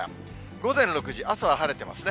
午前６時、朝は晴れてますね。